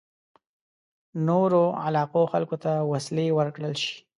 نورو علاقو خلکو ته وسلې ورکړل شي.